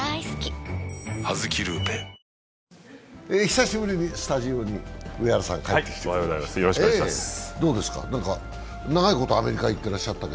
久しぶりにスタジオに上原さんが帰ってきました。